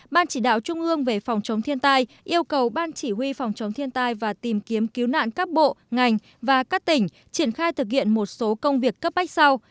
ban chỉ đạo trung ương về phòng chống thiên tai yêu cầu ban chỉ huy phòng chống thiên tai và tìm kiếm cứu nạn các bộ ngành và các tỉnh triển khai thực hiện một số công việc cấp bách sau